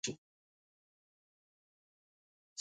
سیاسي بدلون باید د ټولنې اړتیاوو مطابق وشي